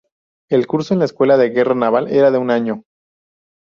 El curso en la Escuela de Guerra Naval era de un año.